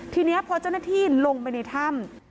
ทีนี้พอเจ้าหน้าที่ลงไปในถ้ำ